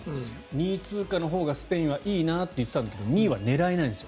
２位通過のほうがスペインはいいなって言ってたんだけど２位狙えないんですよ。